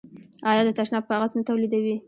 آیا د تشناب کاغذ نه تولیدوي؟